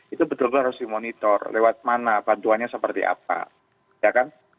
itu betul betul harus dimonitor lewat mana bantuannya seperti apa ya kan